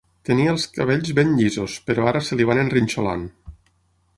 Tenia els cabells ben llisos, però ara se li van enrinxolant.